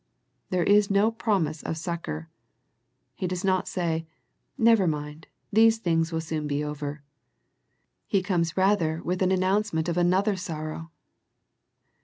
There is no promise of succour. He does not say. Never mind, these things will soon be over. He comes rather with an announcement of another sorrow.